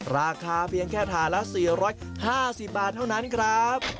ราคาเพียงแค่ถ่านละ๔๕๐บาทเท่านั้นครับ